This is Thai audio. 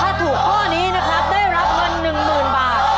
ถ้าถูกข้อนี้นะครับได้รับเงิน๑๐๐๐บาท